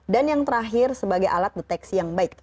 dan yang terakhir sebagai alat deteksi yang baik